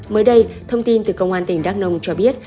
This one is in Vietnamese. mới đây thông tin từ công an tỉnh đắk nông cho biết